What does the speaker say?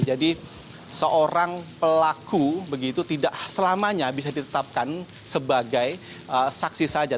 jadi seorang pelaku begitu tidak selamanya bisa ditetapkan sebagai saksi sasaran